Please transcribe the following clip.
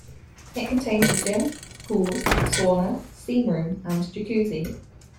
It contained a gym, pool, sauna, steamroom and jaccuzzi.